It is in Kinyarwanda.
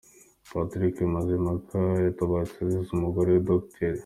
Patrick Mazimhaka yatabarutse asize umugore we Dr.